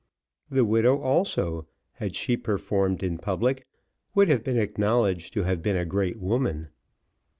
The widow also, had she performed in public, would have been acknowledged to have been a great woman.